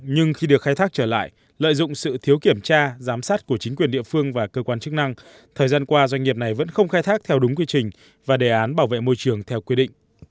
nhưng khi được khai thác trở lại lợi dụng sự thiếu kiểm tra giám sát của chính quyền địa phương và cơ quan chức năng thời gian qua doanh nghiệp này vẫn không khai thác theo đúng quy trình và đề án bảo vệ môi trường theo quy định